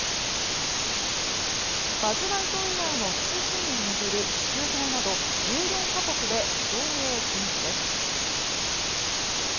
「バズ・ライトイヤー」のキスシーンを巡り中東など１４か国で上映禁止です。